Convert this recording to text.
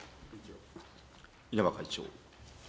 稲葉会長。